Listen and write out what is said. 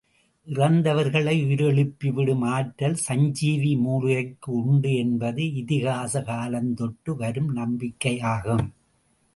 இறந்தவர்களை உயிரெழுப்பி விடும் ஆற்றல் சஞ்சீவி மூலிகைக்கு உண்டு என்பது இதிகாச காலந்தொட்டு வரும் நம்பிக்கையாகும்.